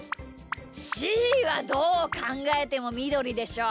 しーはどうかんがえてもみどりでしょう。